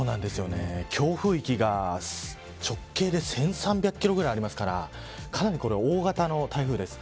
強風域が直径で１３００キロくらいありますからかなり大型の台風です。